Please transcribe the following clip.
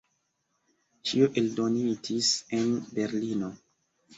Ĉio eldonitis en Berlino.